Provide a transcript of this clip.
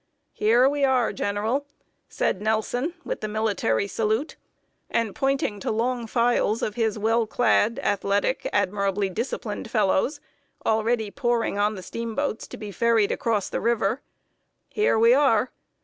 "Here we are, General," said Nelson, with the military salute, and pointing to long files of his well clad, athletic, admirably disciplined fellows, already pouring on the steamboats, to be ferried across the river. "Here we are!